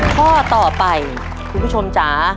ข้อต่อไปคุณผู้ชมจ๋า